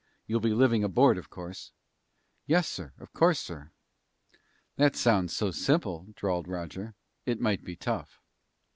You'll be living aboard, of course." "Yes, sir. Of course, sir." "That sounds so simple," drawled Roger, "it might be tough."